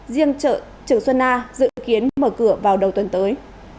riêng chợ trường xuân a dự kiến mở cửa vào đầu tuần tới